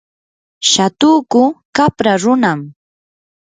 shatuku qapra runam.